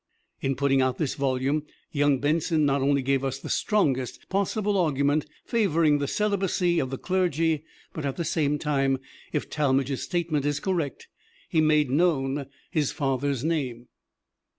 In putting out this volume, young Benson not only gave us the strongest possible argument favoring the celibacy of the clergy, but at the same time, if Talmage's statement is correct, he made known his father's name.